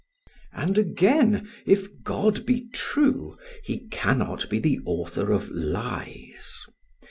] And again, if God be true, he cannot be the author of lies.